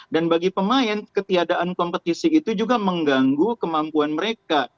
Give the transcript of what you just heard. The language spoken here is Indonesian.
bagi pemain ketiadaan kompetisi itu juga mengganggu kemampuan mereka